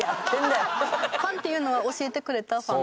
ファンっていうのは教えてくれたファン？